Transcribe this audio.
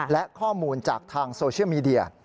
และข้อมูลจากทางโซเชียลมีเดีย